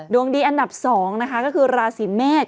ดวงดีอันดับ๒นะคะก็คือราศีเมษ